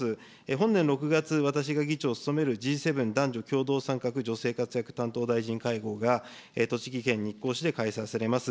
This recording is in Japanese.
本年６月、私が議長を務めるＧ７男女共同参画女性活躍担当大臣会合が、栃木県日光市で開催されます。